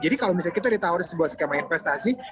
jadi kalau misalnya kita ditawarkan sebuah skema investasi